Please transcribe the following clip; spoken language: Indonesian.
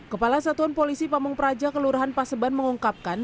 kepala satuan polisi pamung praja kelurahan paseban mengungkapkan